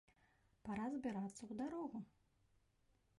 Пара збірацца ў дарогу!